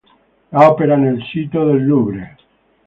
L'opera nel sito del Louvre